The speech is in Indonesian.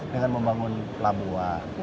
dengan membangun labuan